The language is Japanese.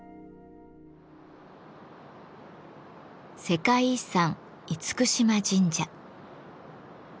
世界遺産・厳島神社。